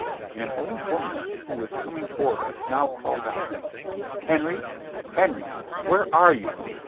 An old woman, who was coming toward us, now called out, "Henry, Henry! where are you?